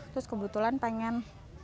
terus kebetulan pengen